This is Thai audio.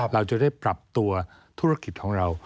เราจะได้ปรับตัวธุรกิจของเรา